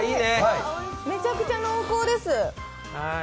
めちゃくちゃ濃厚です。